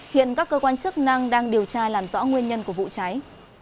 hiện các cơ quan chức năng đang điều tra làm rõ nguyên nhân của vụ cháy